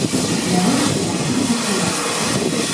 Ля рэчкі пасуцца цяляты.